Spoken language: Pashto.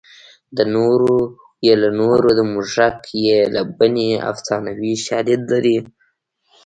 د نورو یې له نورو د موږک یې له بنۍ افسانوي شالید لري